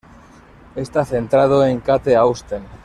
Está centrado en Kate Austen.